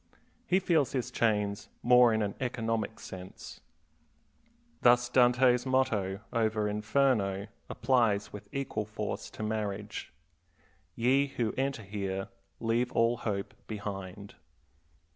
He feels his chains more in an economic sense. Thus Dante's motto over Inferno applies with equal force to marriage. "Ye who enter here leave all hope behind."